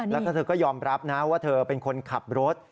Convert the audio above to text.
แล้วก็เธอก็ยอมรับนะว่าเธอเป็นคนขับรถ